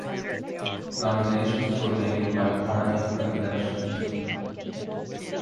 Nominations were made by party conventions.